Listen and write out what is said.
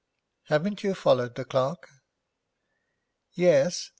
'Haven't you followed the clerk?' 'Yes.